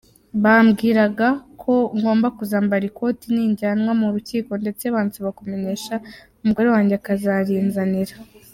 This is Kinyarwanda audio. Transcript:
Bambwiraga ko ngomba kuzambara ikoti ninjyanwa mu rukiko ndetse bansaba kumenyesha umugore wanjye akazarinzanira.